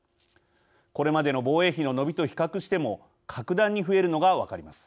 これまでの防衛費の伸びと比較しても格段に増えるのが分かります。